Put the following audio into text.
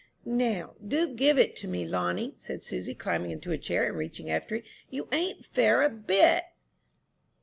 '" "Now, do give it to me, Lonnie," said Susy, climbing into a chair, and reaching after it; "you ain't fair a bit."